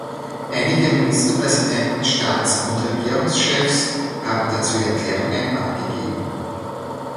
Einige Ministerpräsidenten, Staats- und Regierungschefs haben dazu Erklärungen abgegeben.